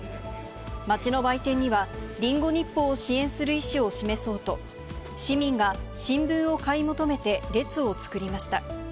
街の売店には、リンゴ日報を支援する意思を示そうと、市民が新聞を買い求めて列を作りました。